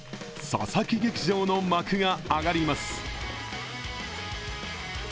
佐々木劇場の幕が上がります。